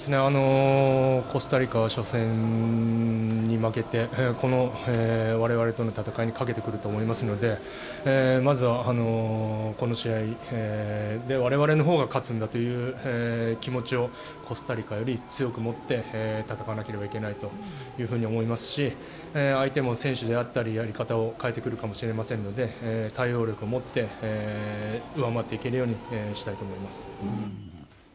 コスタリカは初戦に負けてこの我々との戦いにかけてくると思いますのでまずはこの試合我々のほうが勝つんだという気持ちをコスタリカより強く持って戦わなければいけないと思いますし相手も選手であったりやり方を変えてくると思いますので対応力をもって上回っていけるようにしたいと思います。